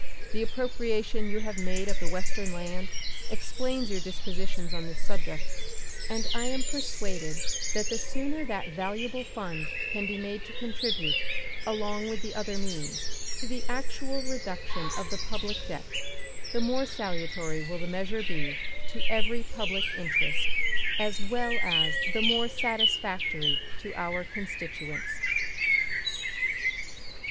The appropriation you have made of the Western land explains your dispositions on this subject, and I am persuaded that the sooner that valuable fund can be made to contribute, along with the other means, to the actual reduction of the public debt the more salutary will the measure be to every public interest, as well as the more satisfactory to our constituents.